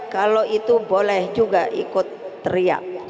kalau itu boleh juga ikut teriak